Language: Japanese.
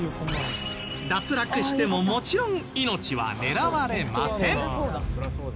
脱落してももちろん命は狙われません。